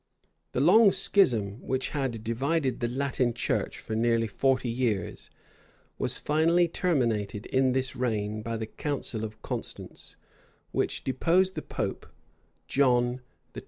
The long schism, which had divided the Latin church for near forty years, was finally terminated in this reign by the council of Constance; which deposed the pope, John XXIII.